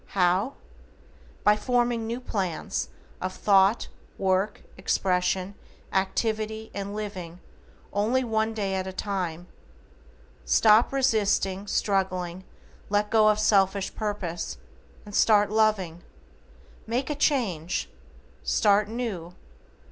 How? By forming new PLANS of thought, work, expression, activity, and living only one day at a time. Stop resisting, struggling, let go of selfish purpose, and start loving. Make a change. Start new.